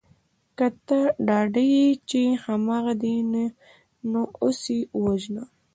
که ته ډاډه یې چې هماغه دی نو همدا اوس یې ووژنه